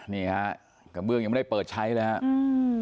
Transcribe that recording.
นี่ฮะกระเบื้องยังไม่ได้เปิดใช้แล้วฮะอืม